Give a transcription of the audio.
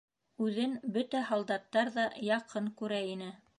Үҙен бөтә һалдаттар ҙа яҡын күрә ине.